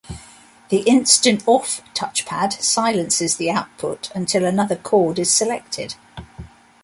The "Instant Off" touch pad silences the output until another chord is selected.